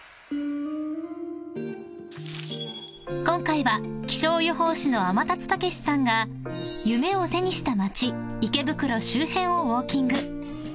［今回は気象予報士の天達武史さんが夢を手にした街池袋周辺をウオーキング］